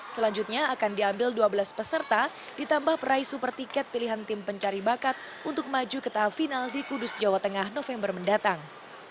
selanjutnya akan diambil dua belas peserta ditambah peraih super tiket pilihan tim pencari bakat untuk maju ke tahap final di kudus jawa tengah november mendatang